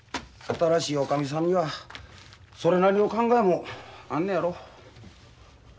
新しい女将さんにはそれなりの考えもあんのやろ。